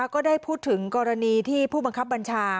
ก็ได้พูดถึงกรณีที่ผู้บังคับบัญชา